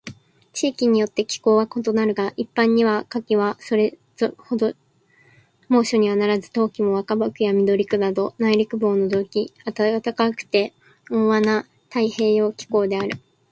地域によって気候は異なるが、一般には夏季はそれほど猛暑にはならず、冬季も若葉区や緑区など内陸部を除き暖かくて温和な太平洋側気候である。